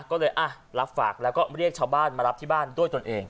ก็เลยรับฝากแล้วก็เรียกชาวบ้านมารับที่บ้านด้วยตนเอง